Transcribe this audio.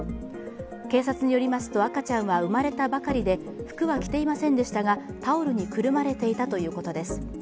警察によりますと赤ちゃんは生まれたばかりで服は着ていませんでしたが、タオルにくるまれていたということです。